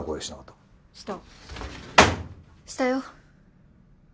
したよ。